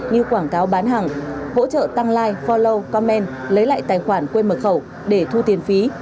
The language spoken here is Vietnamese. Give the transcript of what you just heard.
như quảng cáo bán hàng hỗ trợ tăng like forlo comment lấy lại tài khoản quê mật khẩu để thu tiền phí